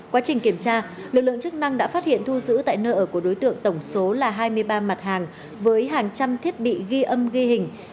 quá trình kiểm tra lực lượng chức năng đã phát hiện thu giữ tại nơi ở của đối tượng tổng số là hai mươi ba mặt hàng với hàng trăm thiết bị ghi âm ghi hình